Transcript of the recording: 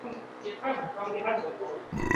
现为乐金集团旗下的公司之一。